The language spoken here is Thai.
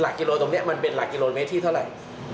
กิโลตรงนี้มันเป็นหลักกิโลเมตรที่เท่าไหร่